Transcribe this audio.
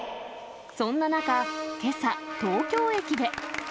そんな中、けさ、東京駅で。